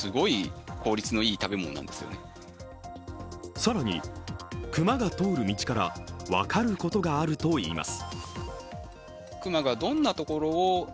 更に、熊が通る道から分かることがあるといいます。